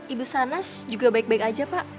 ibu shanas juga baik baik aja pa